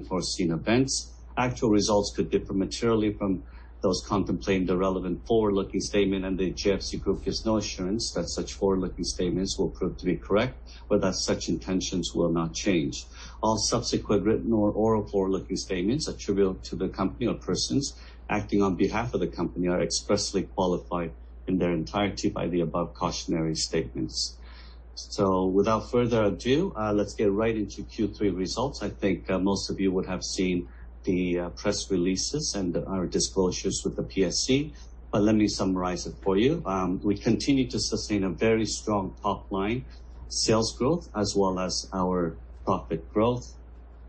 Unforeseen events. Actual results could differ materially from those contemplating the relevant forward-looking statement, and the JFC Group gives no assurance that such forward-looking statements will prove to be correct, or that such intentions will not change. All subsequent written or oral forward-looking statements attributable to the company or persons acting on behalf of the company are expressly qualified in their entirety by the above cautionary statements. Without further ado, let's get right into Q3 results. I think, most of you would have seen the press releases and our disclosures with the PSE, but let me summarize it for you. We continue to sustain a very strong top line sales growth as well as our profit growth.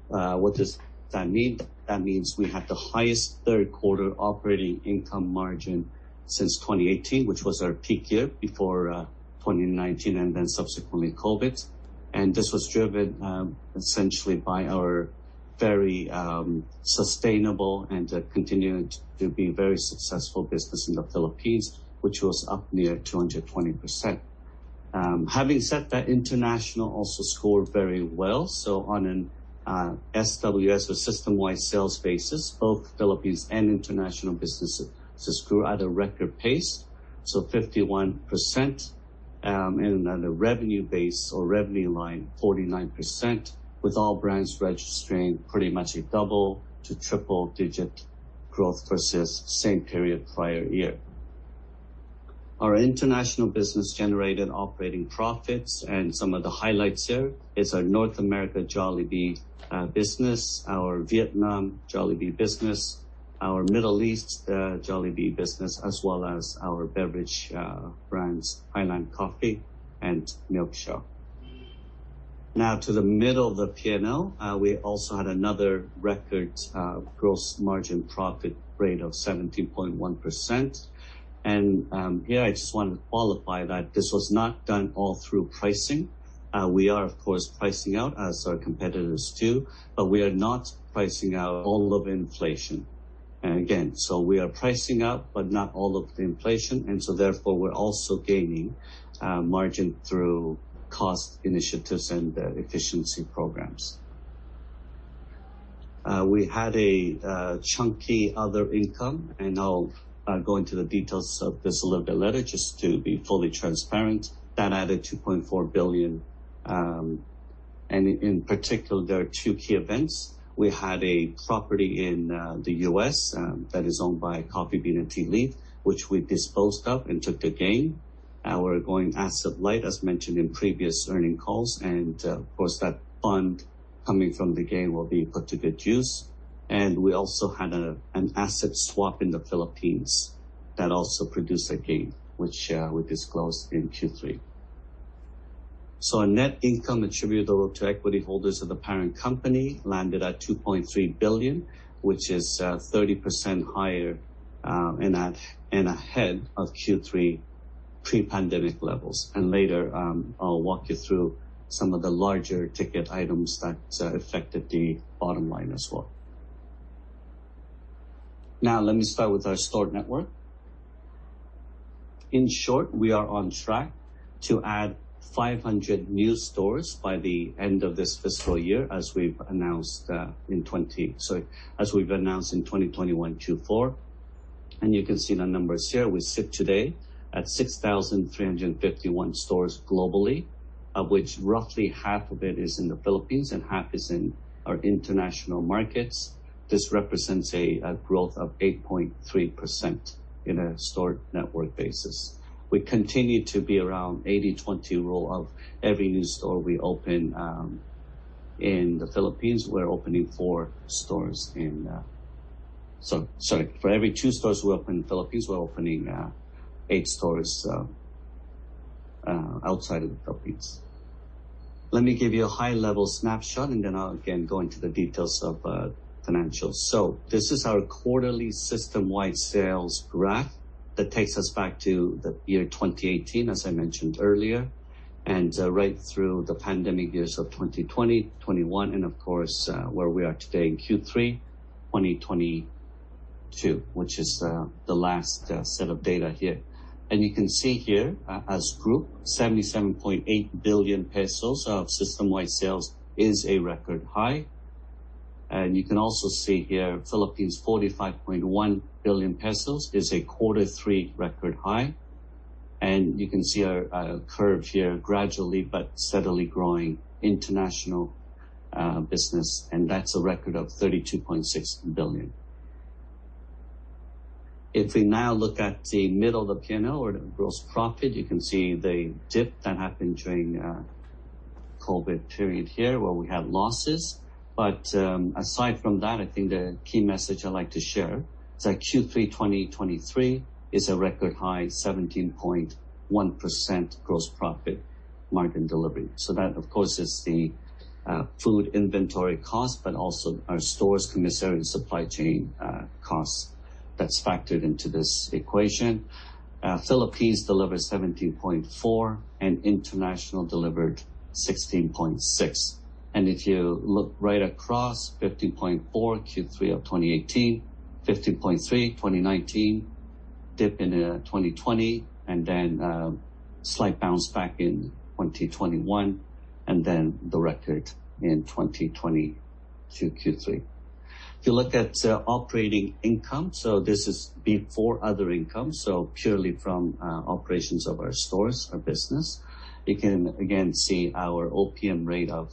What does that mean? That means we have the highest 3rd quarter operating income margin since 2018, which was our peak year before 2019 and then subsequently COVID. This was driven essentially by our very sustainable and continuing to be very successful business in the Philippines, which was up near 220%. Having said that, international also scored very well. On an SWS or system-wide sales basis, both Philippines and international businesses grew at a record pace, so 51%, and on a revenue base or revenue line, 49%, with all brands registering pretty much a double to triple-digit growth versus same period prior year. Our international business generated operating profits and some of the highlights here is our North America Jollibee business, our Vietnam Jollibee business, our Middle East Jollibee business, as well as our beverage brands, Highlands Coffee and Milksha. Now to the middle of the P&L. We also had another record gross margin profit rate of 17.1%. Here I just want to qualify that this was not done all through pricing. We are of course pricing out as our competitors too, but we are not pricing out all of inflation. Again, we are pricing up, but not all of the inflation, and therefore, we're also gaining margin through cost initiatives and efficiency programs. We had a chunky other income, and I'll go into the details of this a little bit later, just to be fully transparent. That added 2.4 billion, and in particular, there are two key events. We had a property in the U.S. that is owned by The Coffee Bean & Tea Leaf, which we disposed of and took the gain. We're going asset-light, as mentioned in previous earnings calls, and of course, that fund coming from the gain will be put to good use. We also had an asset swap in the Philippines that also produced a gain, which we disclosed in Q3. Our net income attributable to equity holders of the parent company landed at 2.3 billion, which is 30% higher and ahead of Q3 pre-pandemic levels. Later, I'll walk you through some of the larger ticket items that affected the bottom line as well. Now let me start with our store network. In short, we are on track to add 500 new stores by the end of this fiscal year, as we've announced in 2021 Q4. You can see the numbers here. We sit today at 6,351 stores globally, of which roughly half of it is in the Philippines and half is in our international markets. This represents a growth of 8.3% in a store network basis. We continue to be around 80-20 rule of every new store we open in the Philippines, we're opening four stores in. Sorry, for every two stores we open in the Philippines, we're opening eight stores outside of the Philippines. Let me give you a high-level snapshot, and then I'll again go into the details of financials. This is our quarterly system-wide sales graph that takes us back to the year 2018, as I mentioned earlier, and right through the pandemic years of 2020, 2021, and of course, where we are today in Q3 2022, which is the last set of data here. You can see here, as group, 77.8 billion pesos of system-wide sales is a record high. You can also see here, Philippines 45.1 billion pesos is a quarter three record high. You can see our curve here gradually but steadily growing international business, and that's a record of 32.6 billion. If we now look at the middle of the P&L or the gross profit, you can see the dip that happened during COVID period here, where we had losses. Aside from that, I think the key message I'd like to share is that Q3 2023 is a record high 17.1% gross profit margin delivery. That, of course, is the food inventory cost, but also our stores' commissary supply chain costs that's factored into this equation. Philippines delivered 17.4%, and international delivered 16.6%. If you look right across, 15.4%, Q3 of 2018, 15.3%, 2019. Dip in 2020 and then slight bounce back in 2021, and then the record in 2022 Q3. If you look at operating income, so this is before other income, so purely from operations of our stores or business. You can again see our OPM rate of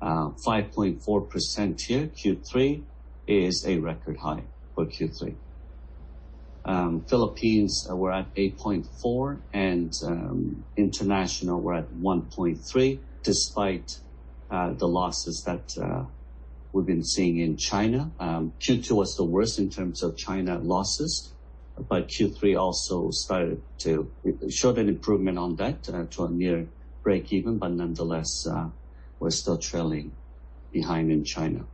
5.4% here, Q3 is a record high for Q3. Philippines, we're at 8.4%, and international, we're at 1.3%, despite the losses that we've been seeing in China. Q2 was the worst in terms of China losses, but Q3 also started to show an improvement on that to a near break-even, but nonetheless, we're still trailing behind in China.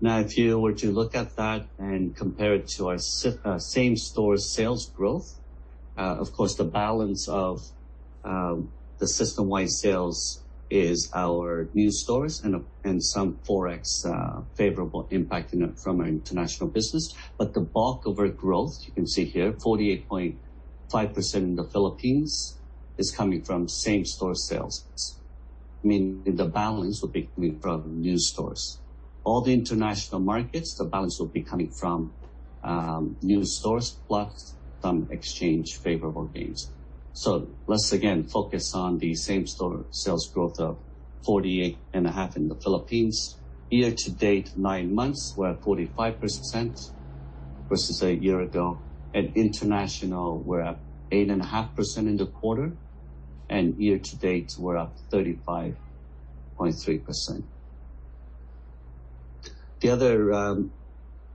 Now, if you were to look at that and compare it to our same-store sales growth, of course, the balance of the system-wide sales is our new stores and some Forex favorable impact in it from our international business. The bulk of our growth, you can see here, 48.5% in the Philippines is coming from same-store sales. Meaning the balance will be coming from new stores. All the international markets, the balance will be coming from new stores plus some exchange favorable gains. Let's again focus on the same-store sales growth of 48.5 in the Philippines. Year to date, nine months, we're at 45% versus a year ago. At international, we're at 8.5% in the quarter, and year to date, we're up 35.3%. The other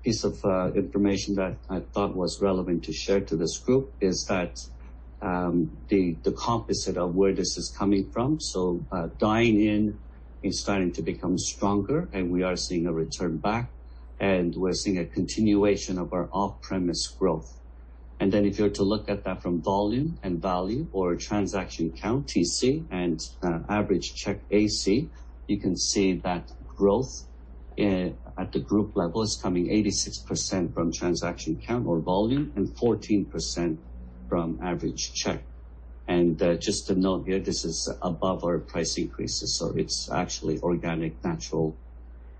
piece of information that I thought was relevant to share to this group is that, the composite of where this is coming from. Dine-in is starting to become stronger, and we are seeing a return back, and we're seeing a continuation of our off-premise growth. If you were to look at that from volume and value or transaction count, TC, and average check, AC, you can see that growth at the group level is coming 86% from transaction count or volume and 14% from average check. Just to note here, this is above our price increases, so it's actually organic natural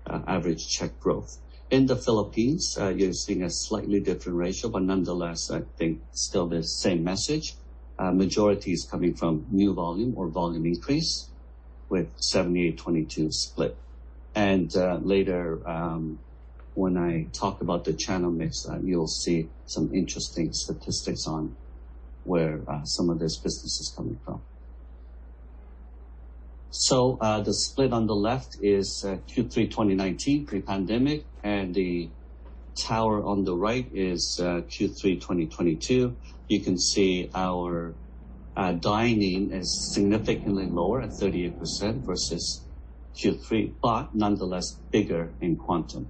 average check growth. In the Philippines, you're seeing a slightly different ratio, but nonetheless, I think still the same message. Majority is coming from new volume or volume increase with 70/22 split. Later, when I talk about the channel mix, you'll see some interesting statistics on where some of this business is coming from. The split on the left is Q3 2019, pre-pandemic, and the tower on the right is Q3 2022. You can see our dine-in is significantly lower at 38% versus Q3, but nonetheless bigger in quantum.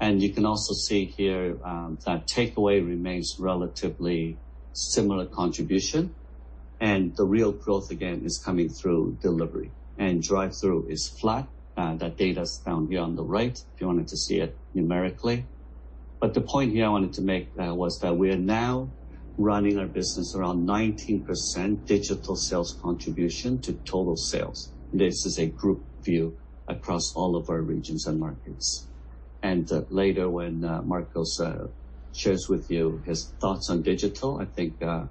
You can also see here that takeaway remains relatively similar contribution, and the real growth again is coming through delivery. Drive-thru is flat. That data's found here on the right if you wanted to see it numerically. The point here I wanted to make was that we are now running our business around 19% digital sales contribution to total sales. This is a group view across all of our regions and markets. Later when Marcos shares with you his thoughts on digital, I think it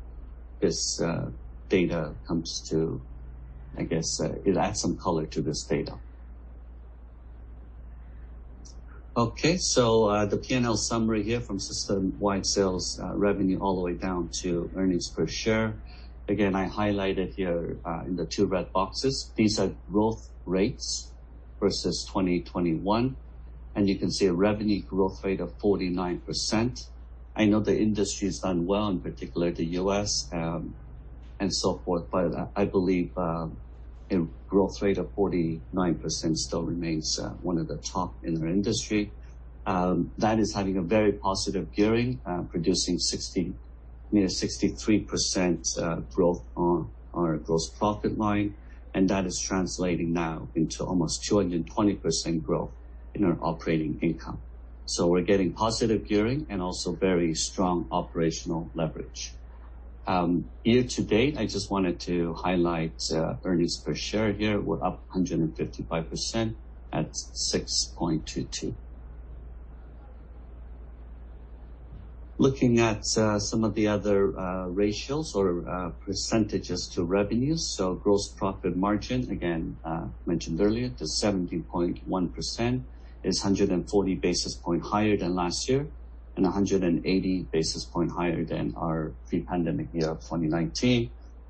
adds some color to this data. Okay. The P&L summary here from system-wide sales, revenue all the way down to earnings per share. Again, I highlighted here in the two red boxes. These are growth rates versus 2021, and you can see a revenue growth rate of 49%. I know the industry has done well, in particular the U.S., and so forth, but I believe a growth rate of 49% still remains one of the top in our industry. That is having a very positive gearing, producing 60. Near 63% growth on our gross profit line, and that is translating now into almost 220% growth in our operating income. We're getting positive gearing and also very strong operational leverage. Year to date, I just wanted to highlight earnings per share here. We're up 155% at PHP 6.22. Looking at some of the other ratios or % to revenues. Gross profit margin, again, mentioned earlier, the 17.1% is 140 basis points higher than last year and 180 basis points higher than our pre-pandemic year of 2019.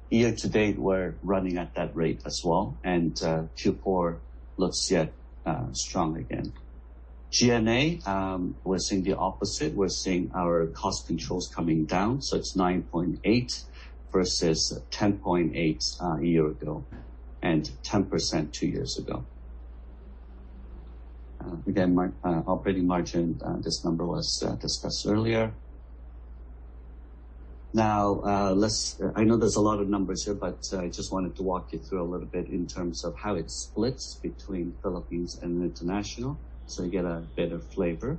Year to date, we're running at that rate as well. Q4 looks very strong again. G&A, we're seeing the opposite. We're seeing our cost controls coming down. It's 9.8 versus 10.8 a year ago and 10% two years ago. Again, operating margin, this number was discussed earlier. I know there's a lot of numbers here, but I just wanted to walk you through a little bit in terms of how it splits between Philippines and international, so you get a better flavor.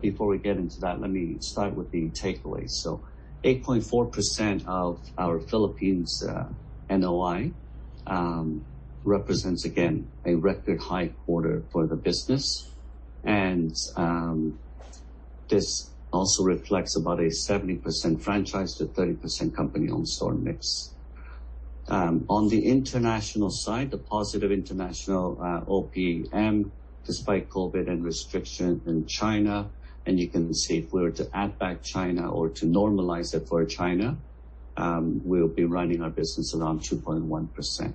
Before we get into that, let me start with the takeaways. 8.4% of our Philippines NOI represents, again, a record high quarter for the business. This also reflects about a 70% franchise to 30% company-owned store mix. On the international side, a positive international OPM despite COVID and restriction in China. You can see if we were to add back China or to normalize it for China, we'll be running our business around 2.1%.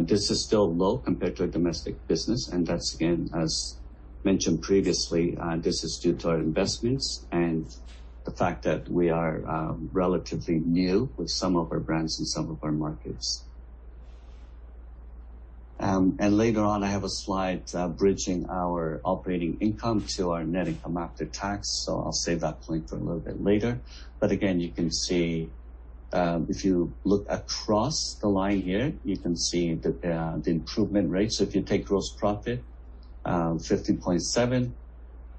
This is still low compared to our domestic business, and that's, again, as mentioned previously, this is due to our investments and the fact that we are relatively new with some of our brands in some of our markets. Later on, I have a slide bridging our operating income to our net income after tax, so I'll save that point for a little bit later. But again, you can see if you look across the line here, you can see the improvement rates. So if you take gross profit, 15.7,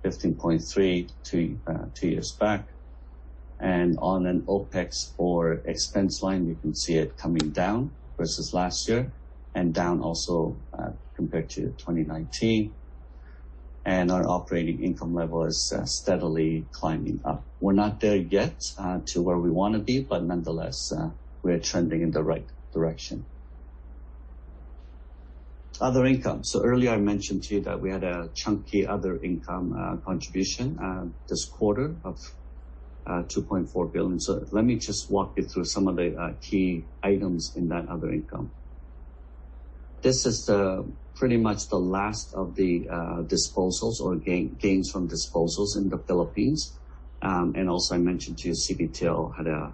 15.3 two years back. On an OPEX or expense line, we can see it coming down versus last year and down also, compared to 2019. Our operating income level is steadily climbing up. We're not there yet, to where we wanna be, but nonetheless, we're trending in the right direction. Other income. Earlier I mentioned to you that we had a chunky other income contribution this quarter of 2.4 billion. Let me just walk you through some of the key items in that other income. This is pretty much the last of the disposals or gains from disposals in the Philippines. And also I mentioned to you, CBTL had a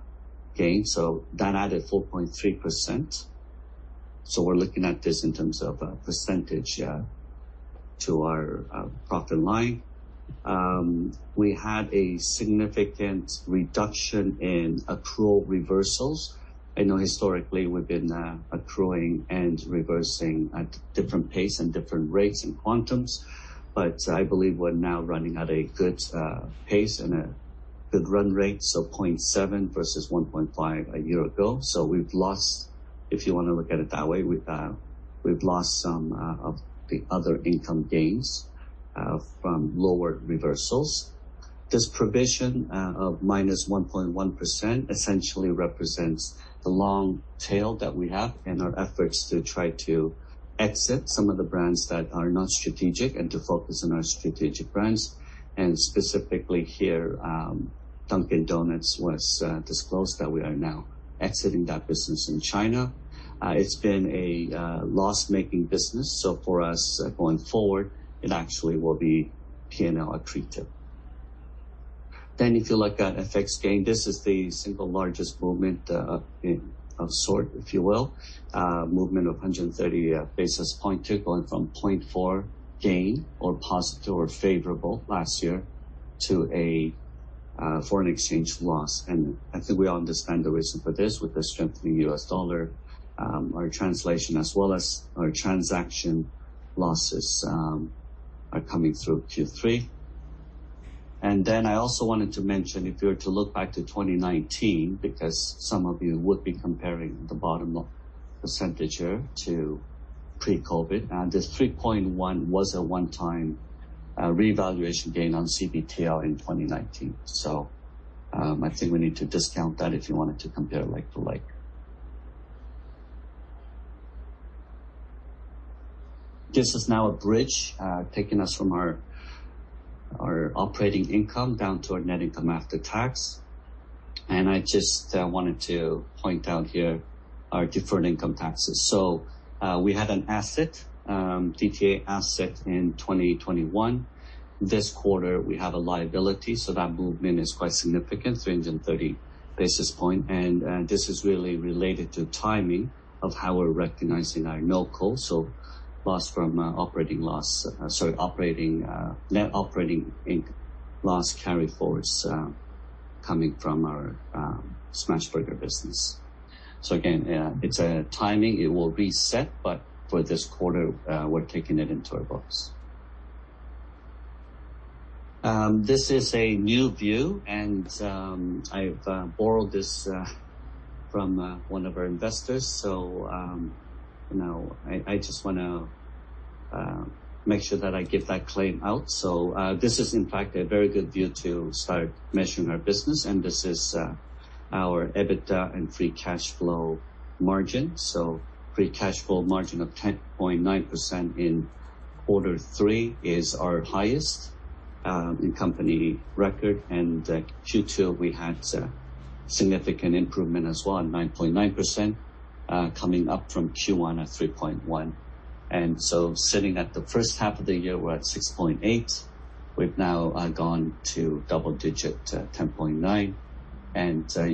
gain, so that added 4.3%. We're looking at this in terms of a % to our profit line. We had a significant reduction in accrual reversals. I know historically we've been accruing and reversing at different pace and different rates and quantums. I believe we're now running at a good pace and a good run rate, so 0.7 versus 1.5 a year ago. We've lost, if you wanna look at it that way, some of the other income gains from lower reversals. This provision of -1.1% essentially represents the long tail that we have in our efforts to try to exit some of the brands that are not strategic and to focus on our strategic brands. Specifically here, Dunkin' Donuts was disclosed that we are now exiting that business in China. It's been a loss-making business. For us going forward, it actually will be P&L accretive. If you look at FX gain, this is the single largest movement of sorts, if you will. Movement of 130 basis points to, going from 0.4 gain or positive or favorable last year to a foreign exchange loss. I think we all understand the reason for this. With the strengthening US dollar, our translation as well as our transaction losses are coming through Q3. I also wanted to mention, if you were to look back to 2019, because some of you would be comparing the bottom % here to pre-COVID, this 3.1 was a one-time revaluation gain on CBTL in 2019. I think we need to discount that if you wanted to compare like to like. This is now a bridge taking us from our operating income down to our net income after tax. I just wanted to point out here our deferred income taxes. We had an asset, DTA asset in 2021. This quarter we have a liability, so that movement is quite significant, 330 basis points. This is really related to timing of how we're recognizing our NOL carryforwards, coming from our Smashburger business. Again, it's a timing. It will reset, but for this quarter, we're taking it into our books. This is a new view, and I've borrowed this from one of our investors. You know, I just wanna make sure that I give that claim out. This is in fact a very good view to start measuring our business. This is our EBITDA and free cash flow margin. Free cash flow margin of 10.9% in quarter three is our highest in company record. Q2 we had a significant improvement as well, 9.9%, coming up from Q1 at 3.1%. Sitting at the 1st half of the year, we're at 6.8%. We've now gone to double digit 10.9%.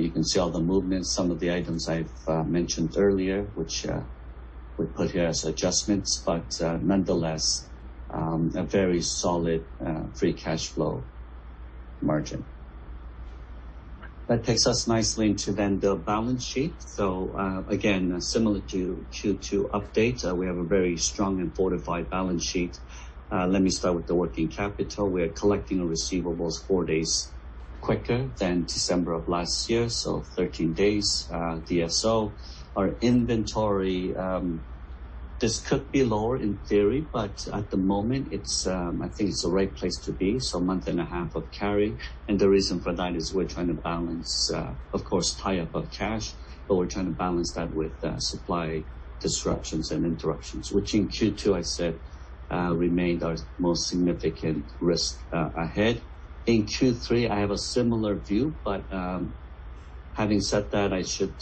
You can see all the movements, some of the items I've mentioned earlier, which we put here as adjustments, but nonetheless, a very solid free cash flow margin. That takes us nicely into then the balance sheet. Again, similar to update, we have a very strong and fortified balance sheet. Let me start with the working capital. We are collecting our receivables four days quicker than December of last year, so 13 days DSO. Our inventory, this could be lower in theory, but at the moment it's I think it's the right place to be, so a month and a half of carry. The reason for that is we're trying to balance, of course, tie-up of cash, but we're trying to balance that with supply disruptions and interruptions, which in Q2 I said remained our most significant risk ahead. In Q3, I have a similar view, but, having said that, I should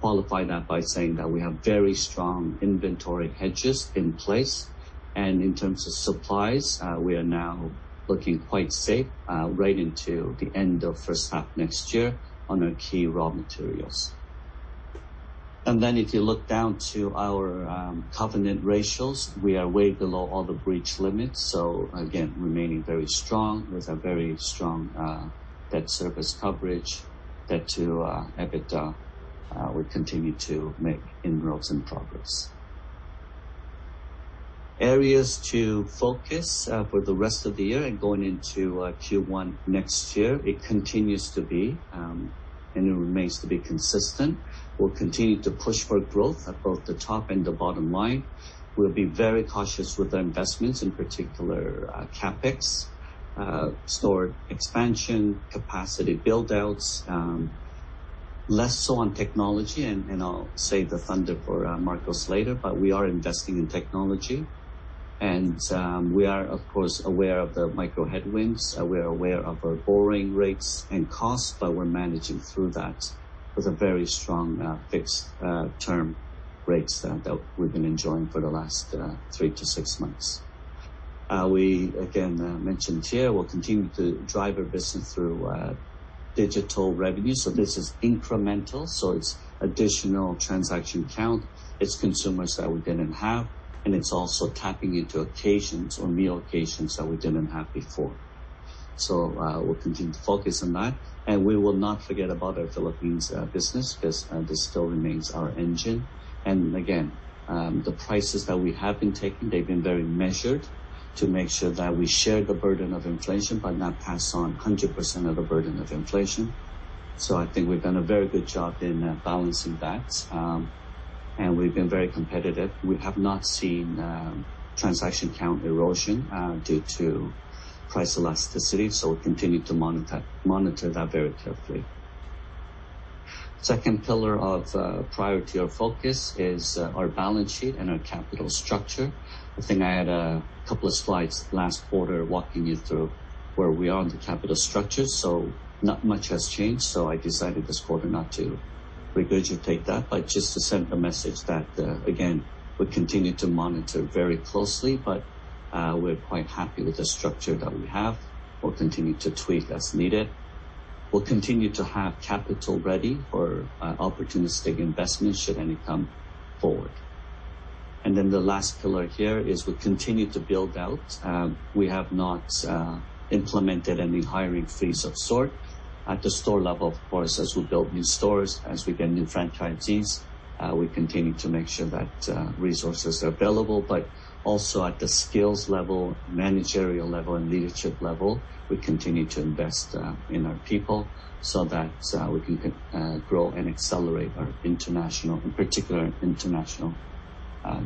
qualify that by saying that we have very strong inventory hedges in place. In terms of supplies, we are now looking quite safe, right into the end of 1st half next year on our key raw materials. If you look down to our covenant ratios, we are way below all the breach limits. Again, remaining very strong. There's a very strong debt service coverage. Debt to EBITDA will continue to make inroads and progress. Areas to focus for the rest of the year and going into Q1 next year, it continues to be, and it remains to be consistent. We'll continue to push for growth at both the top and the bottom line. We'll be very cautious with our investments, in particular, CapEx, store expansion, capacity build-outs, less so on technology, and I'll save the thunder for Marcos later, but we are investing in technology. We are of course aware of the macro headwinds. We are aware of our borrowing rates and costs, but we're managing through that with a very strong fixed term rates that we've been enjoying for the last three to six months. We again mentioned here, we'll continue to drive our business through digital revenue. So this is incremental, so it's additional transaction count. It's consumers that we didn't have, and it's also tapping into occasions or meal occasions that we didn't have before. We'll continue to focus on that, and we will not forget about our Philippine business 'cause this still remains our engine. Again, the prices that we have been taking, they've been very measured to make sure that we share the burden of inflation, but not pass on 100% of the burden of inflation. I think we've done a very good job in balancing that, and we've been very competitive. We have not seen transaction count erosion due to price elasticity, so we'll continue to monitor that very carefully. Second pillar of priority or focus is our balance sheet and our capital structure. I think I had a couple of slides last quarter walking you through where we are on the capital structure, so not much has changed, so I decided this quarter not to regurgitate that, but just to send a message that, again, we continue to monitor very closely, but, we're quite happy with the structure that we have. We'll continue to tweak as needed. We'll continue to have capital ready for, opportunistic investments should any come forward. The last pillar here is we continue to build out. We have not implemented any hiring freeze of any sort. At the store level, of course, as we build new stores, as we get new franchisees, we're continuing to make sure that resources are available, but also at the skills level, managerial level, and leadership level, we continue to invest in our people so that we can grow and accelerate our international, in particular international,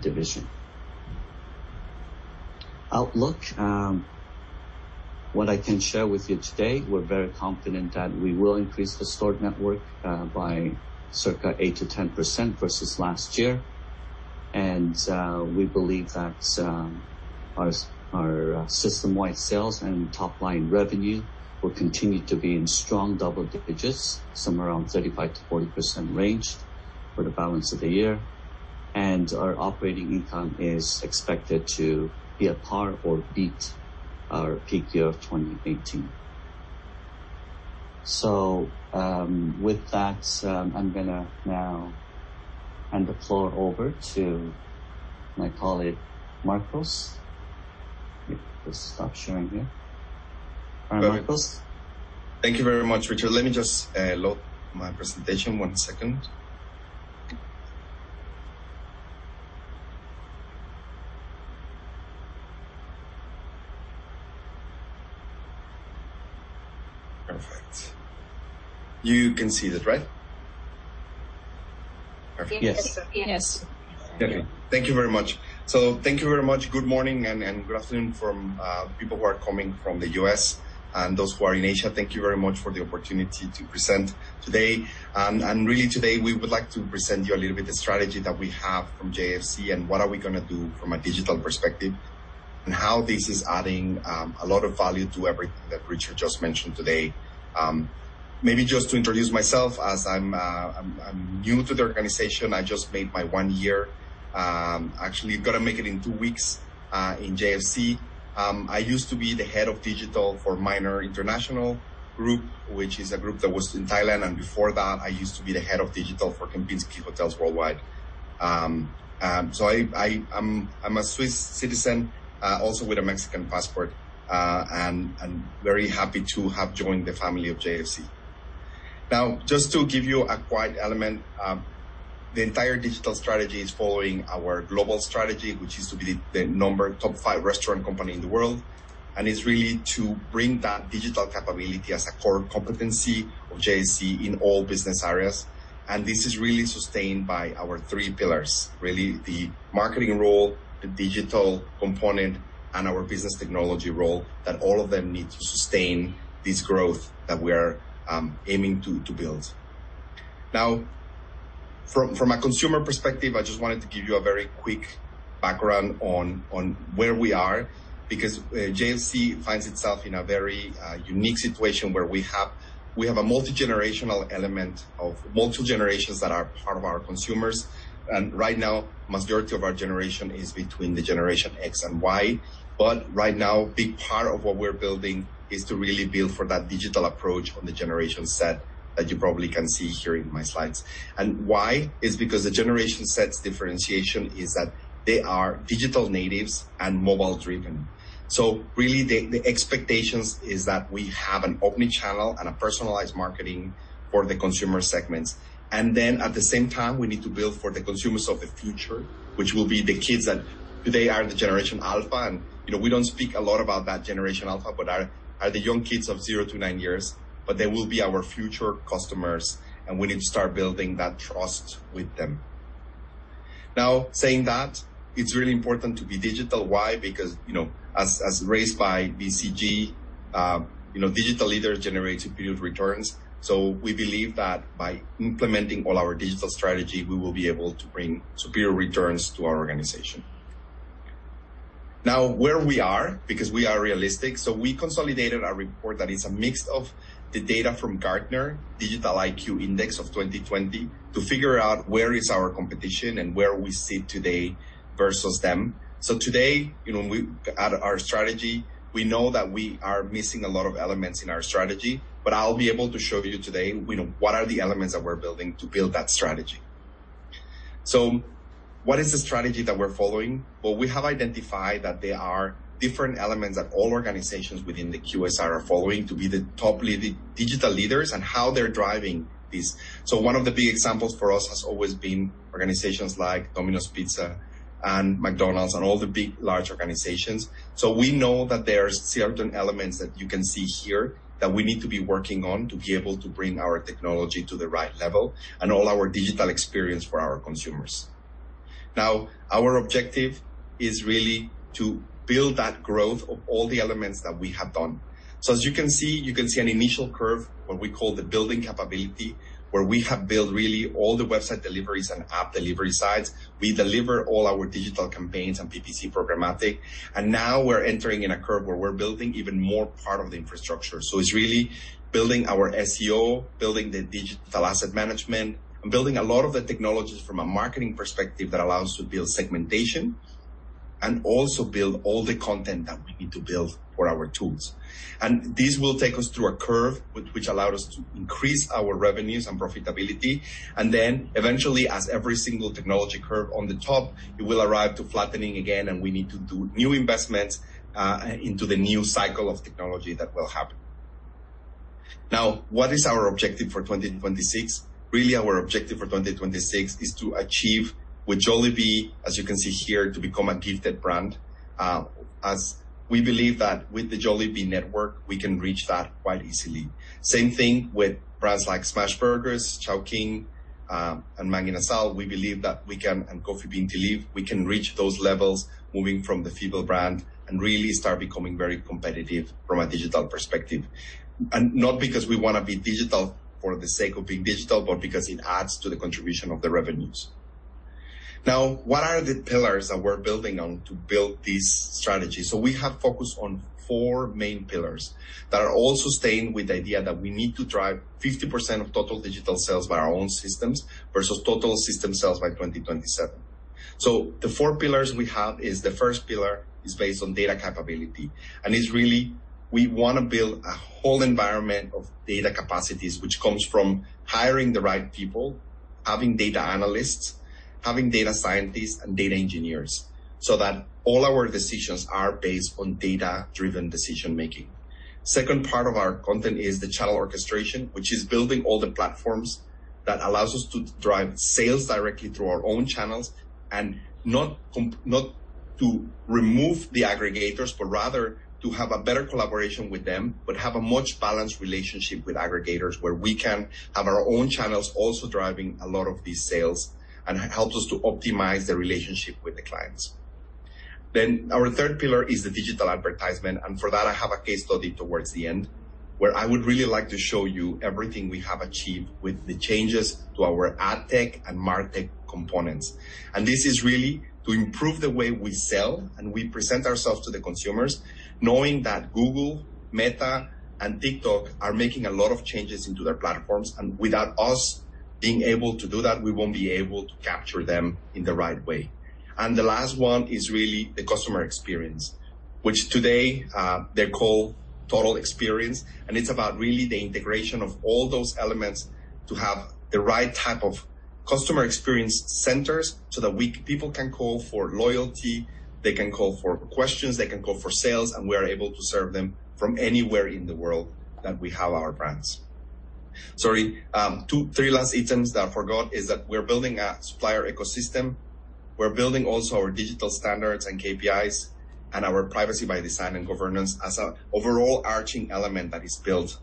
division. Outlook. What I can share with you today, we're very confident that we will increase the store network by circa 8%-10% versus last year. We believe that our system-wide sales and top-line revenue will continue to be in strong double digits, somewhere around 35%-40% range for the balance of the year. Our operating income is expected to be at par or beat our peak year of 2018. With that, I'm gonna now hand the floor over to my colleague, Marcos. Let me just stop sharing here. All right, Marcos. Thank you very much, Richard. Let me just load my presentation. One 2nd. Perfect. You can see that, right? Yes. Yes. Thank you very much. Good morning and good afternoon from people who are coming from the U.S. and those who are in Asia. Thank you very much for the opportunity to present today. Really today we would like to present you a little bit the strategy that we have from JFC and what are we gonna do from a digital perspective and how this is adding a lot of value to everything that Richard just mentioned today. Maybe just to introduce myself as I'm new to the organization. I just made my one year. Actually gonna make it in two weeks in JFC. I used to be the head of digital for Minor International, which is a group that was in Thailand, and before that I used to be the head of digital for Kempinski Hotels worldwide. I'm a Swiss citizen, also with a Mexican passport, and very happy to have joined the family of JFC. Now, just to give you a key element, the entire digital strategy is following our global strategy, which is to be the top five restaurant company in the world, and it's really to bring that digital capability as a core competency of JFC in all business areas. This is really sustained by our three pillars, really the marketing role, the digital component, and our business technology role, that all of them need to sustain this growth that we are aiming to build. Now, from a consumer perspective, I just wanted to give you a very quick background on where we are because JFC finds itself in a very unique situation where we have a multigenerational element of multiple generations that are part of our consumers. Right now, majority of our generation is between Generation X and Y, but right now big part of what we're building is to really build for that digital approach on Generation Z that you probably can see here in my slides. Why? Because Generation Z's differentiation is that they are digital natives and mobile-driven. Really the expectations is that we have an omni-channel and a personalized marketing for the consumer segments. At the same time, we need to build for the consumers of the future, which will be the kids that they are the Generation Alpha. You know, we don't speak a lot about that Generation Alpha, but are the young kids of zero to nine years, but they will be our future customers and we need to start building that trust with them. Now, saying that, it's really important to be digital. Why? Because, you know, as raised by BCG, you know, digital leaders generate superior returns. We believe that by implementing all our digital strategy, we will be able to bring superior returns to our organization. Now, where we are, because we are realistic, so we consolidated our report that is a mix of the data from Gartner Digital IQ Index of 2020 to figure out where is our competition and where we sit today versus them. Today, you know, we at our strategy, we know that we are missing a lot of elements in our strategy, but I'll be able to show you today, you know, what are the elements that we're building to build that strategy. What is the strategy that we're following? Well, we have identified that there are different elements that all organizations within the QSR are following to be the top leading digital leaders and how they're driving this. One of the big examples for us has always been organizations like Domino's Pizza and McDonald's and all the big large organizations. We know that there are certain elements that you can see here that we need to be working on to be able to bring our technology to the right level and all our digital experience for our consumers. Now, our objective is really to build that growth of all the elements that we have done. As you can see, you can see an initial curve, what we call the building capability, where we have built really all the website deliveries and app delivery sites. We deliver all our digital campaigns and PPC programmatic, and now we're entering in a curve where we're building even more part of the infrastructure. It's really building our SEO, building the digital asset management, and building a lot of the technologies from a marketing perspective that allow us to build segmentation and also build all the content that we need to build for our tools. This will take us through a curve which allowed us to increase our revenues and profitability, and then eventually as every single technology curve on the top, it will arrive to flattening again and we need to do new investments into the new cycle of technology that will happen. Now, what is our objective for 2026? Really, our objective for 2026 is to achieve with Jollibee, as you can see here, to become a digital brand. As we believe that with the Jollibee network, we can reach that quite easily. Same thing with brands like Smashburger, Chowking, and Mang Inasal. We believe that we can, and Coffee Bean & Tea Leaf, we can reach those levels moving from the Jollibee brand and really start becoming very competitive from a digital perspective. Not because we wanna be digital for the sake of being digital, but because it adds to the contribution of the revenues. Now, what are the pillars that we're building on to build this strategy? We have focused on four main pillars that are all sustained with the idea that we need to drive 50% of total digital sales by our own systems versus total system-wide sales by 2027. The four pillars we have is the 1st pillar is based on data capability, and it's really we wanna build a whole environment of data capacities, which comes from hiring the right people, having data analysts, having data scientists and data engineers, so that all our decisions are based on data-driven decision-making. Second part of our content is the channel orchestration, which is building all the platforms that allows us to drive sales directly through our own channels and not to remove the aggregators, but rather to have a better collaboration with them, but have a much balanced relationship with aggregators where we can have our own channels also driving a lot of these sales and helps us to optimize the relationship with the clients. Our 3rd pillar is the digital advertising, and for that I have a case study towards the end where I would really like to show you everything we have achieved with the changes to our adtech and martech components. This is really to improve the way we sell and we present ourselves to the consumers, knowing that Google, Meta, and TikTok are making a lot of changes to their platforms, and without us being able to do that, we won't be able to capture them in the right way. The last one is really the customer experience, which today, they're called total experience, and it's about really the integration of all those elements to have the right type of customer experience centers so that people can call for loyalty, they can call for questions, they can call for sales, and we are able to serve them from anywhere in the world that we have our brands. Two, three last items that I forgot is that we're building a supplier ecosystem. We're building also our digital standards and KPIs and our privacy by design and governance as an overarching element that is built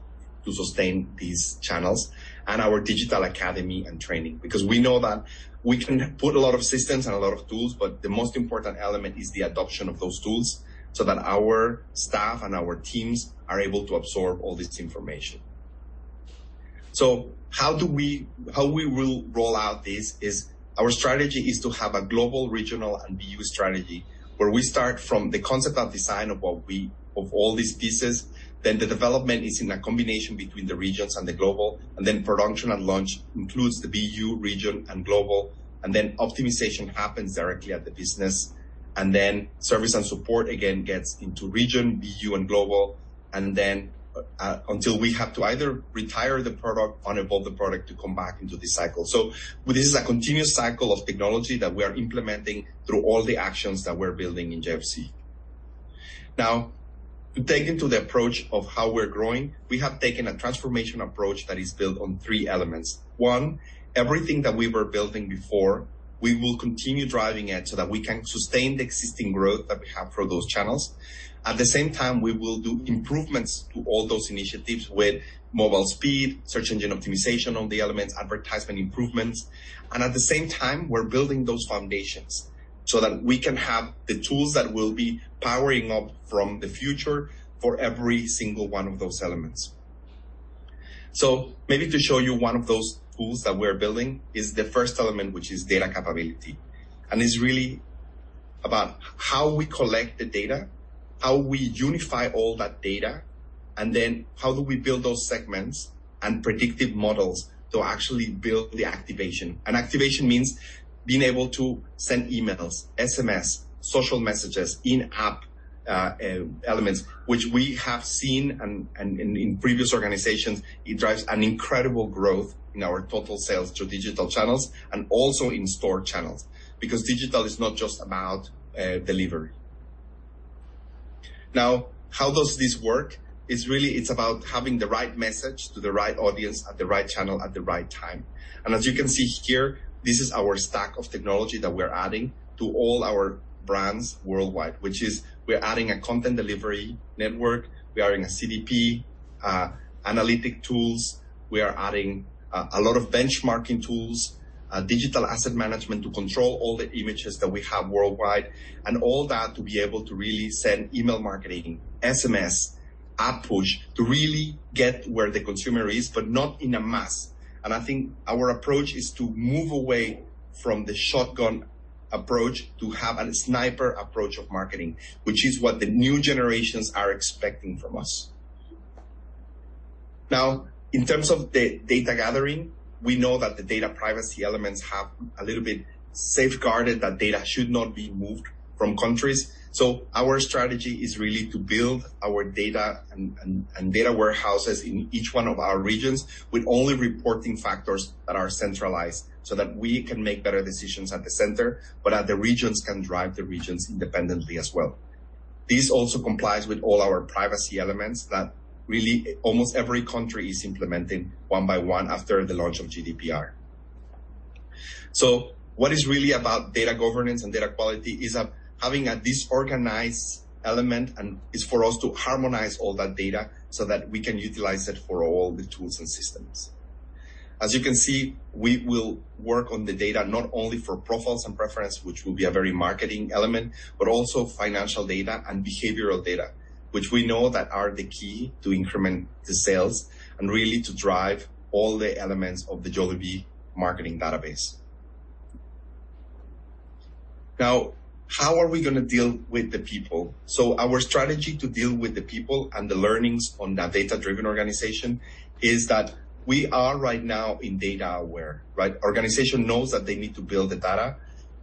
to sustain these channels and our digital academy and training. Because we know that we can put a lot of systems and a lot of tools, but the most important element is the adoption of those tools, so that our staff and our teams are able to absorb all this information. How we will roll out this is our strategy to have a global, regional, and BU strategy, where we start from the concept and design of all these pieces, then the development is in a combination between the regions and the global, and then production and launch includes the BU, region, and global, and then optimization happens directly at the business. Service and support again gets into region, BU, and global, and then until we have to either retire the product or evolve the product to come back into this cycle. This is a continuous cycle of technology that we are implementing through all the actions that we're building in JFC. Now, to take into the approach of how we're growing, we have taken a transformation approach that is built on three elements. One, everything that we were building before, we will continue driving it so that we can sustain the existing growth that we have for those channels. At the same time, we will do improvements to all those initiatives with mobile speed, search engine optimization on the elements, advertisement improvements. At the same time, we're building those foundations so that we can have the tools that will be powering up from the future for every single one of those elements. Maybe to show you one of those tools that we're building is the 1st element, which is data capability. It's really about how we collect the data, how we unify all that data, and then how do we build those segments and predictive models to actually build the activation. Activation means being able to send emails, SMS, social messages, in-app elements, which we have seen in previous organizations. It drives an incredible growth in our total sales through digital channels and also in store channels, because digital is not just about delivery. Now, how does this work? It's really about having the right message to the right audience at the right channel at the right time. As you can see here, this is our stack of technology that we're adding to all our brands worldwide, which is we're adding a content delivery network, we are adding a CDP, analytic tools. We are adding a lot of benchmarking tools, digital asset management to control all the images that we have worldwide and all that to be able to really send email marketing, SMS, ad push to really get where the consumer is, but not in a mass. I think our approach is to move away from the shotgun approach to have a sniper approach of marketing, which is what the new generations are expecting from us. Now, in terms of the data gathering, we know that the data privacy elements have a little bit safeguarded that data should not be moved from countries. Our strategy is really to build our data and data warehouses in each one of our regions with only reporting factors that are centralized so that we can make better decisions at the center, but at the regions can drive the regions independently as well. This also complies with all our privacy elements that really almost every country is implementing one by one after the launch of GDPR. What is really about data governance and data quality is having an organized element, and it's for us to harmonize all that data so that we can utilize it for all the tools and systems. As you can see, we will work on the data not only for profiles and preference, which will be a very marketing element, but also financial data and behavioral data, which we know that are the key to increment the sales and really to drive all the elements of the Jollibee marketing database. Now, how are we gonna deal with the people? Our strategy to deal with the people and the learnings on that data-driven organization is that we are right now in data-aware, right? Organization knows that they need to build the data,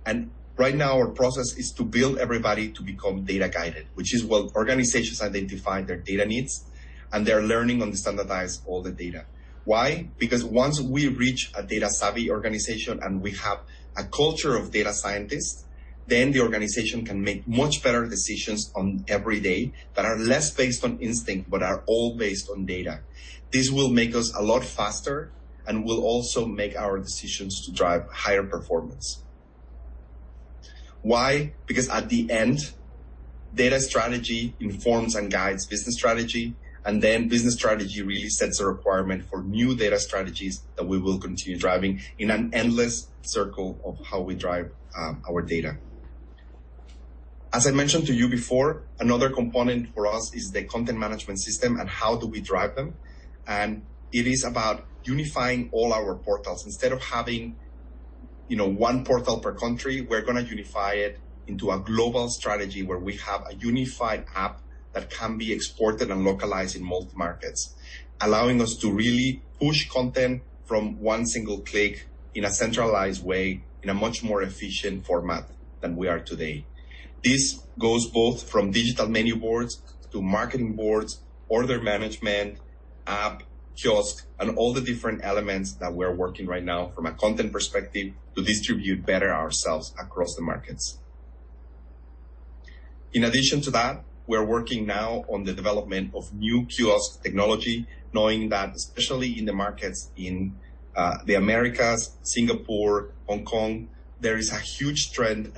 and right now our process is to build everybody to become data-guided, which is what organizations identify their data needs, and they're learning to standardize all the data. Why? Because once we reach a data savvy organization, and we have a culture of data scientists, then the organization can make much better decisions on every day that are less based on instinct, but are all based on data. This will make us a lot faster and will also make our decisions to drive higher performance. Why? Because at the end, data strategy informs and guides business strategy, and then business strategy really sets a requirement for new data strategies that we will continue driving in an endless circle of how we drive our data. As I mentioned to you before, another component for us is the content management system and how do we drive them. It is about unifying all our portals. Instead of having, you know, one portal per country, we're gonna unify it into a global strategy where we have a unified app that can be exported and localized in multiple markets, allowing us to really push content from one single click in a centralized way, in a much more efficient format than we are today. This goes both from digital menu boards to marketing boards, order management, app, kiosk, and all the different elements that we're working right now from a content perspective to distribute better ourselves across the markets. In addition to that, we're working now on the development of new kiosk technology, knowing that especially in the markets in the Americas, Singapore, Hong Kong, there is a huge trend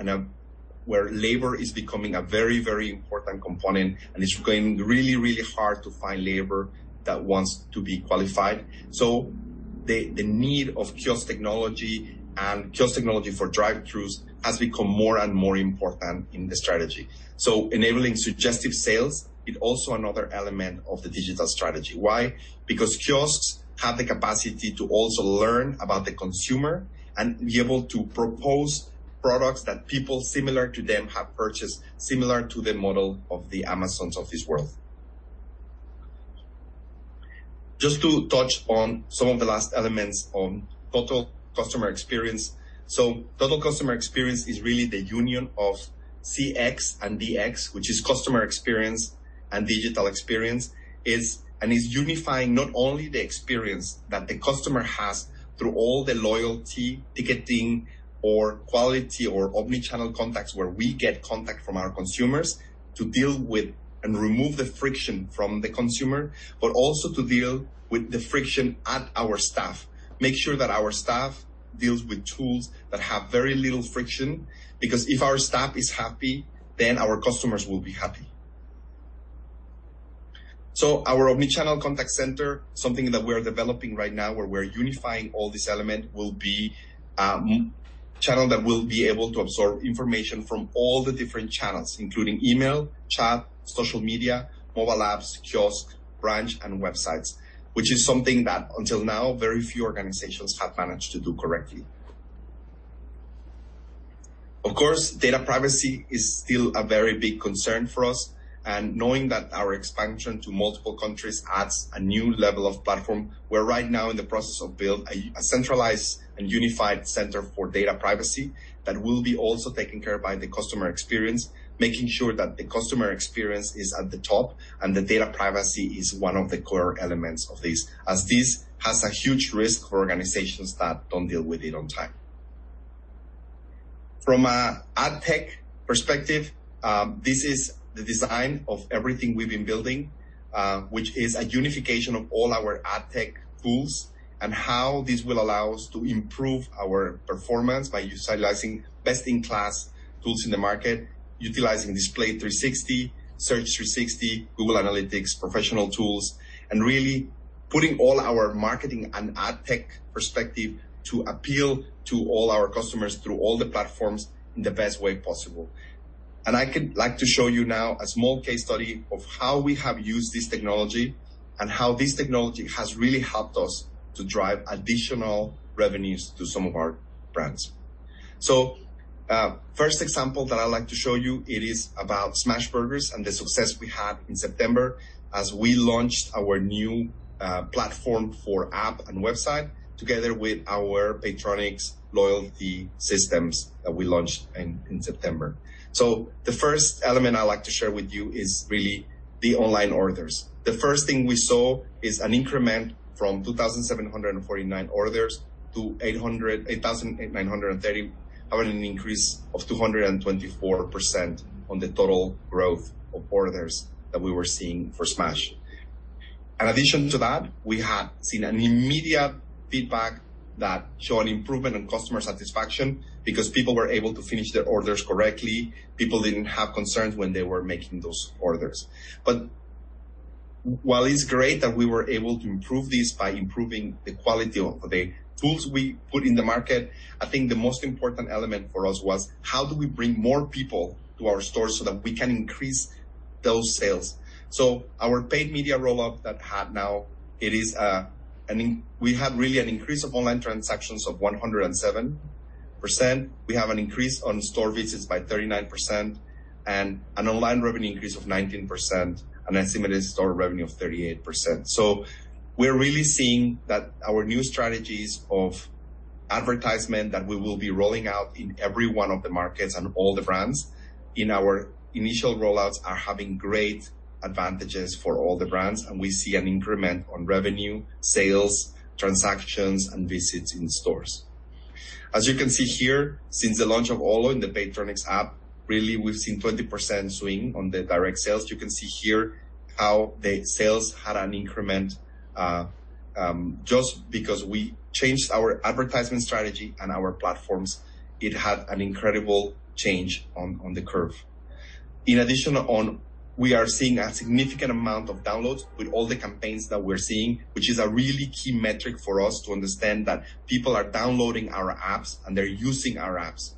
and where labor is becoming a very, very important component, and it's becoming really, really hard to find labor that wants to be qualified. The need of kiosk technology for drive-throughs has become more and more important in the strategy. Enabling suggestive sales is also another element of the digital strategy. Why? Because kiosks have the capacity to also learn about the consumer and be able to propose products that people similar to them have purchased, similar to the model of the Amazon's of this world. Just to touch on some of the last elements on total customer experience. Total customer experience is really the union of CX and DX, which is customer experience and digital experience. Is unifying not only the experience that the customer has through all the loyalty, ticketing, or quality, or omni-channel contacts where we get contact from our consumers to deal with and remove the friction from the consumer, but also to deal with the friction at our staff. Make sure that our staff deals with tools that have very little friction, because if our staff is happy, then our customers will be happy. Our omni-channel contact center, something that we're developing right now, where we're unifying all this element, will be channel that will be able to absorb information from all the different channels, including email, chat, social media, mobile apps, kiosk, branch, and websites, which is something that until now, very few organizations have managed to do correctly. Of course, data privacy is still a very big concern for us, and knowing that our expansion to multiple countries adds a new level of platform, we're right now in the process of build a centralized and unified center for data privacy that will be also taken care of by the customer experience, making sure that the customer experience is at the top and the data privacy is one of the core elements of this, as this has a huge risk for organizations that don't deal with it on time. From an adtech perspective, this is the design of everything we've been building, which is a unification of all our adtech tools and how this will allow us to improve our performance by utilizing best-in-class tools in the market, utilizing Display & Video 360, Search Ads 360, Google Analytics, Performance Max tools, and really putting all our marketing and adtech perspective to appeal to all our customers through all the platforms in the best way possible. I'd like to show you now a small case study of how we have used this technology and how this technology has really helped us to drive additional revenues to some of our brands. First example that I'd like to show you, it is about Smashburger and the success we had in September as we launched our new platform for app and website together with our Paytronix loyalty systems that we launched in September. The 1st element I like to share with you is really the online orders. The 1st thing we saw is an increment from 2,749 orders to 8,893, having an increase of 224% on the total growth of orders that we were seeing for Smashburger. In addition to that, we have seen an immediate feedback that show an improvement in customer satisfaction because people were able to finish their orders correctly. People didn't have concerns when they were making those orders. While it's great that we were able to improve this by improving the quality of the tools we put in the market, I think the most important element for us was how do we bring more people to our stores so that we can increase those sales. Our paid media rollout, we had really an increase of online transactions of 107%. We have an increase on store visits by 39% and an online revenue increase of 19% and estimated store revenue of 38%. We're really seeing that our new strategies of advertisement that we will be rolling out in every one of the markets and all the brands in our initial rollouts are having great advantages for all the brands, and we see an increment on revenue, sales, transactions, and visits in stores. As you can see here, since the launch of Olo in the Paytronix app, really we've seen 20% swing on the direct sales. You can see here how the sales had an increment just because we changed our advertisement strategy and our platforms, it had an incredible change on the curve. In addition, we are seeing a significant amount of downloads with all the campaigns that we're seeing, which is a really key metric for us to understand that people are downloading our apps, and they're using our apps.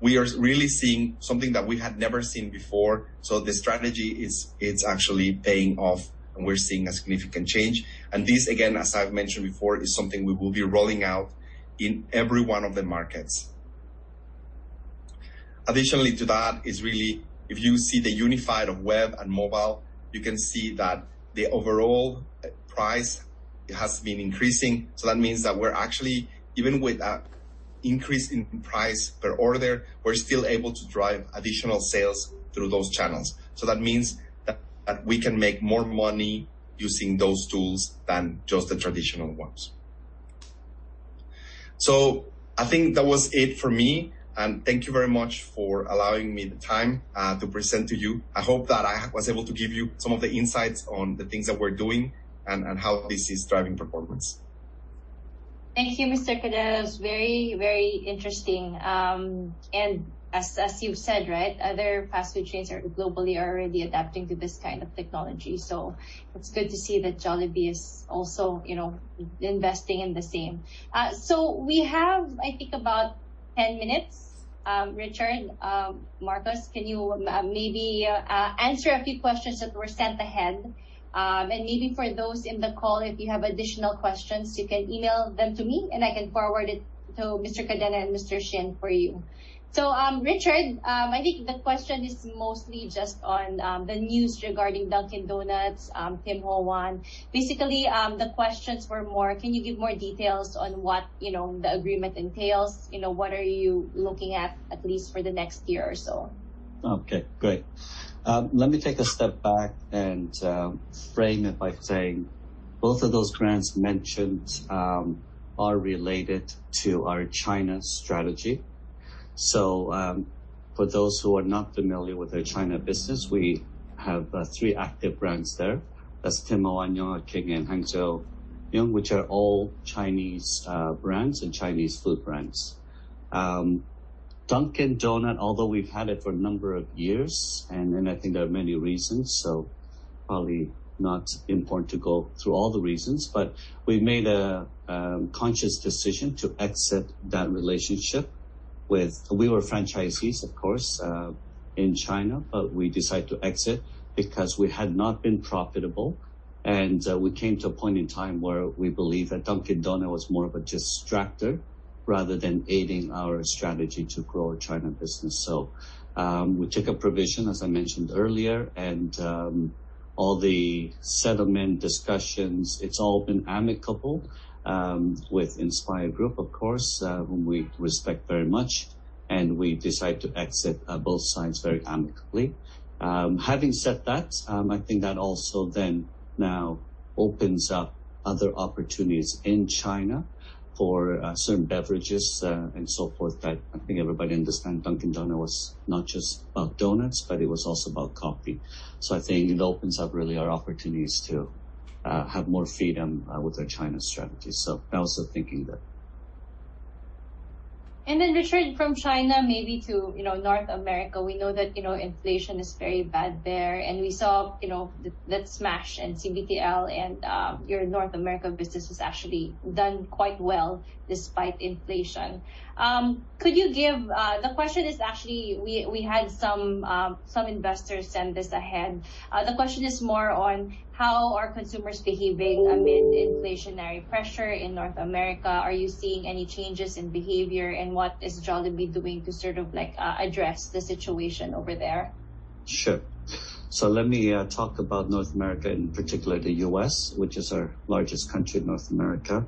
We are really seeing something that we had never seen before. The strategy is, it's actually paying off, and we're seeing a significant change. This, again, as I've mentioned before, is something we will be rolling out in every one of the markets. Additionally to that is really if you see the unified web and mobile, you can see that the overall price has been increasing. That means that we're actually, even with that increase in price per order, we're still able to drive additional sales through those channels. That means that we can make more money using those tools than just the traditional ones. I think that was it for me, and thank you very much for allowing me the time to present to you. I hope that I was able to give you some of the insights on the things that we're doing and how this is driving performance. Thank you, Mr. Cadena. It's very, very interesting. As you've said, right, other fast food chains globally are already adapting to this kind of technology. It's good to see that Jollibee is also, you know, investing in the same. We have, I think, about 10 minutes. Richard, Marcos, can you maybe answer a few questions that were sent ahead? Maybe for those in the call, if you have additional questions, you can email them to me, and I can forward it to Mr. Cadena and Mr. Shin for you. Richard, I think the question is mostly just on the news regarding Dunkin' Donuts, Tim Hortons. Basically, the questions were more, can you give more details on what, you know, the agreement entails? You know, what are you looking at least for the next year or so? Okay, great. Let me take a step back and frame it by saying both of those brands mentioned are related to our China strategy. For those who are not familiar with our China business, we have three active brands there. That's Tim Ho Wan, Yonghe King, and Hong Zhuang Yuan, which are all Chinese brands and Chinese food brands. Dunkin' Donuts, although we've had it for a number of years, and I think there are many reasons, so probably not important to go through all the reasons, but we've made a conscious decision to exit that relationship. We were franchisees, of course, in China, but we decided to exit because we had not been profitable. We came to a point in time where we believe that Dunkin' Donuts was more of a distractor rather than aiding our strategy to grow our China business. We took a provision, as I mentioned earlier, and all the settlement discussions, it's all been amicable with Inspire Brands, of course, whom we respect very much, and we decided to exit both sides very amicably. Having said that, I think that also then now opens up other opportunities in China for certain beverages and so forth that I think everybody understands Dunkin' Donuts was not just about donuts, but it was also about coffee. I think it opens up really our opportunities to have more freedom with our China strategy. I also thinking that. Then Richard, from China maybe to North America, we know that inflation is very bad there. We saw that Smashburger and CBTL and your North America business has actually done quite well despite inflation. The question is actually we had some investors send this ahead. The question is more on how are consumers behaving amid inflationary pressure in North America? Are you seeing any changes in behavior? What is Jollibee doing to sort of like address the situation over there? Sure. Let me talk about North America, in particular the U.S., which is our largest country in North America.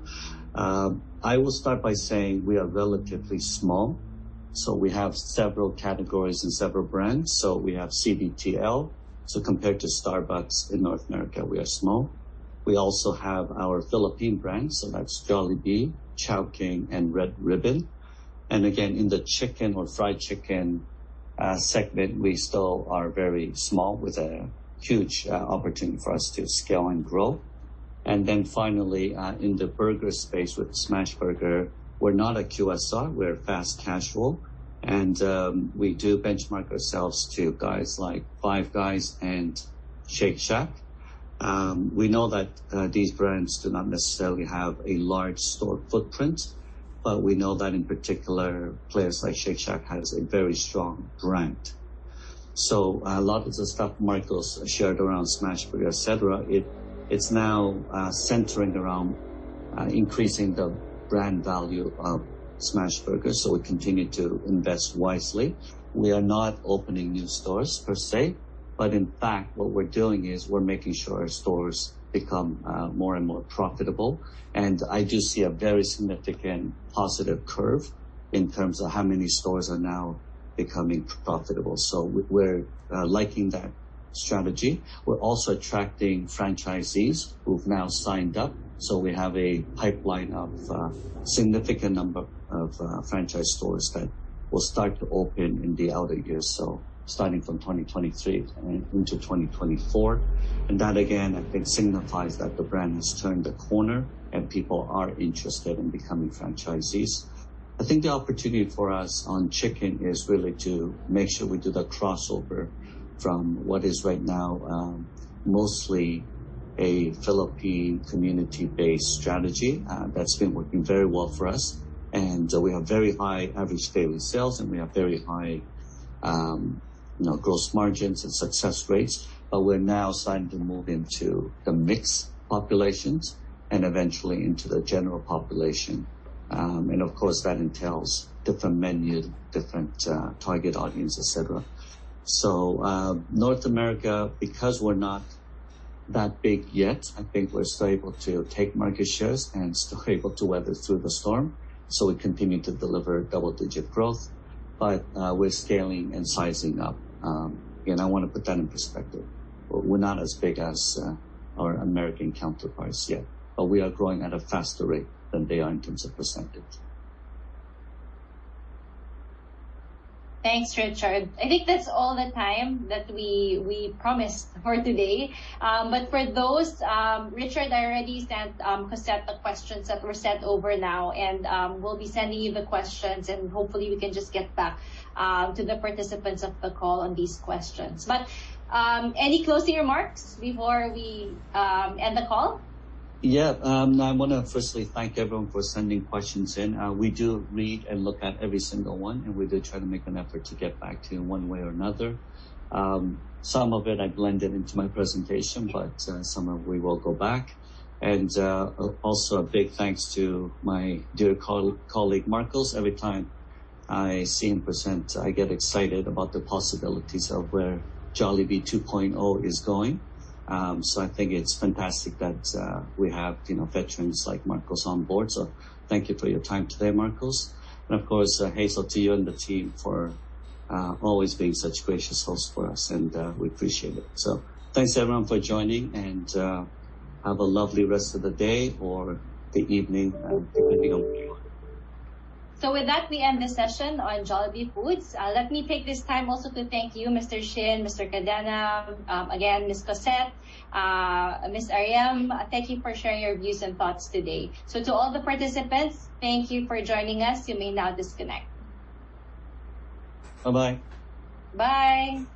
I will start by saying we are relatively small. We have several categories and several brands. We have CBTL. Compared to Starbucks in North America, we are small. We also have our Philippine brands, so that's Jollibee, Chowking, and Red Ribbon. Again, in the chicken or fried chicken segment, we still are very small with a huge opportunity for us to scale and grow. Finally, in the burger space with Smashburger, we're not a QSR, we're fast casual, and we do benchmark ourselves to guys like Five Guys and Shake Shack. We know that these brands do not necessarily have a large store footprint, but we know that in particular players like Shake Shack has a very strong brand. A lot of the stuff Marcos shared around Smashburger, et cetera, it's now centering around increasing the brand value of Smashburger. We continue to invest wisely. We are not opening new stores per se, but in fact, what we're doing is we're making sure our stores become more and more profitable. I do see a very significant positive curve in terms of how many stores are now becoming profitable. We're liking that strategy. We're also attracting franchisees who've now signed up. We have a pipeline of a significant number of franchise stores that will start to open in the other years, starting from 2023 and into 2024. That again, I think, signifies that the brand has turned the corner and people are interested in becoming franchisees. I think the opportunity for us on chicken is really to make sure we do the crossover from what is right now, mostly a Philippine community-based strategy, that's been working very well for us. We have very high average daily sales, and we have very high, you know, gross margins and success rates. We're now starting to move into the mixed populations and eventually into the general population. Of course, that entails different menu, different target audience, et cetera. North America, because we're not that big yet. I think we're still able to take market shares and still able to weather through the storm, so we continue to deliver double-digit growth. We're scaling and sizing up. I wanna put that in perspective. We're not as big as our American counterparts yet. We are growing at a faster rate than they are in terms of %. Thanks, Richard. I think that's all the time that we promised for today. For those, Richard, I already sent Cosette the questions that were sent over now and we'll be sending you the questions and hopefully we can just get back to the participants of the call on these questions. Any closing remarks before we end the call? Yeah. I wanna fistly thank everyone for sending questions in. We do read and look at every single one, and we do try to make an effort to get back to you in one way or another. Some of it I blended into my presentation, but some of which we will go back. Also a big thanks to my dear colleague, Marcos. Every time I see him present, I get excited about the possibilities of where Jollibee 2.0 is going. I think it's fantastic that we have, you know, veterans like Marcos on board. Thank you for your time today, Marcos. Of course, Hazel, to you and the team for always being such gracious hosts for us, and we appreciate it. Thanks everyone for joining, and have a lovely rest of the day or the evening, depending on where you are. With that, we end this session on Jollibee Foods. Let me take this time also to thank you, Mr. Shin, Mr. Cadena, again, Ms. Cosette, Ms. Ariem, thank you for sharing your views and thoughts today. To all the participants, thank you for joining us. You may now disconnect. Bye-bye. Bye.